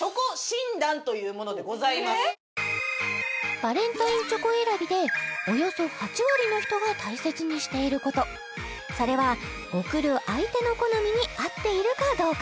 バレンタインチョコ選びでおよそ８割の人が大切にしていることそれは贈る相手の好みに合っているかどうか